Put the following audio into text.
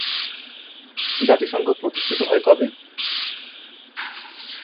জাতিসংঘ প্রতিষ্ঠিত হয় কবে?